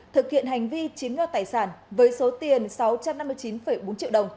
thực hiện hành vi chiếm nho tài sản với số tiền sáu trăm năm mươi chín bốn triệu đồng của một nạn nhân trên địa bàn thành phố